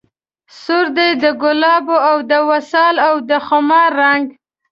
سور دی د ګلاب او د وصال او د خمار رنګ